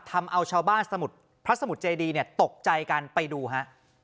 ทำเอาชาวบ้านพระสมุทรเจดีตกใจกันไปดูฮะ